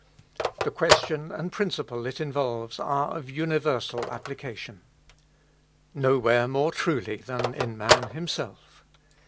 The question and the principle it involves are of universal application. Nowhere more truly than in man himself.